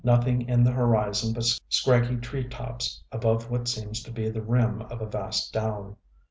Nothing in the horizon but scraggy tree tops above what seems to be the rim of a vast down.